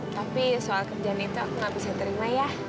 tapi soal kerjaan itu aku nggak bisa terima ya